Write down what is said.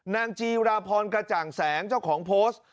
นางจีราพรกระจ่างแสงเจ้าของโพสต์